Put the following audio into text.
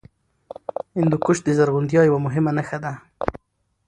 هندوکش د زرغونتیا یوه مهمه نښه ده.